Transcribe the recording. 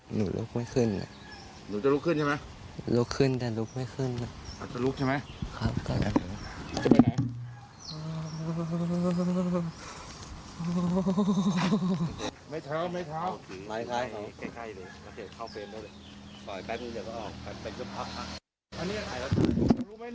หนูลุกไม่ขึ้นหนูจะลุกขึ้นใช่มั้ยลุกขึ้นแต่ลุกไม่ขึ้นจะลุกใช่มั้ย